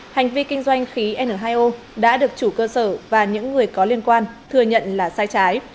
hành vi kinh doanh khí n hai o đã được chủ cơ sở và những người có liên quan thừa nhận là sai trái